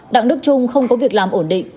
đặng đức trung không có việc làm ổn định